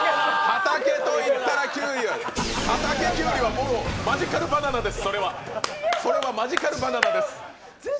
畑と言ったらキュウリ畑、きゅうりは、それは「マジカルバナナ」です。